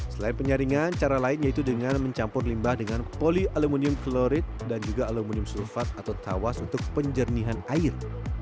selain penyaringan cara lain yaitu dengan mencampur limbah dengan polialuminium florit dan juga aluminium sulfat atau tawas untuk penjernihan air